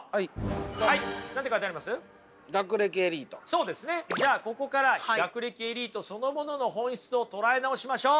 そうですねじゃあここから学歴エリートそのものの本質を捉え直しましょう！